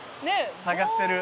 「探してる。